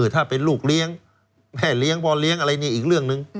ถ้าเป็นลูกเลี้ยงแม่เลี้ยงพ่อเลี้ยงอะไรนี่อีกเรื่องหนึ่ง